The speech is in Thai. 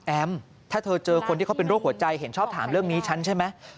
ถ้าเธอเจอคนที่เขาเป็นโรคหัวใจเห็นชอบถามเรื่องนี้ฉันใช่ไหม